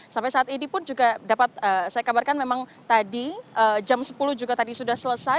sampai saat ini pun juga dapat saya kabarkan memang tadi jam sepuluh juga tadi sudah selesai